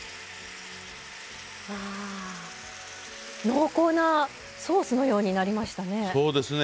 濃厚なソースのようになりましたね。